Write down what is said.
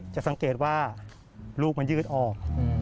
จะสังเกตว่าลูกมันยืดออก